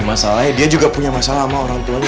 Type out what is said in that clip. masalahnya dia juga punya masalah sama orang tuanya